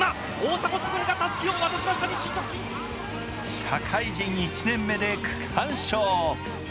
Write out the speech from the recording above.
社会人１年目で区間賞。